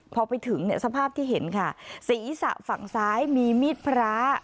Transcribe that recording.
พอไปถึงเนี่ยสภาพที่เห็นค่ะศีรษะฝั่งซ้ายมีมีดพระ